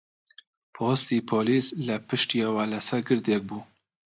پۆستی پۆلیس لە پشتیەوە لەسەر گردێک بوو